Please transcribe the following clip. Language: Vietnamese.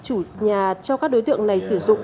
chủ nhà cho các đối tượng này sử dụng